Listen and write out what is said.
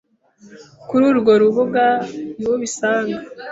Kuri urwo rubuga niho ubisanga